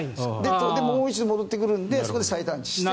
もう一度戻ってくるのでそこで再探知して。